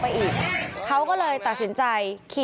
กระทั่งตำรวจก็มาด้วยนะคะ